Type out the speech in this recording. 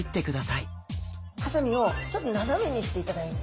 ハサミをちょっと斜めにしていただいて。